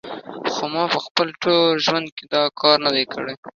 خو ما په خپل ټول ژوند کې دا کار نه دی کړی